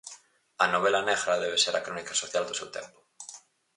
A novela negra debe ser a crónica social do seu tempo.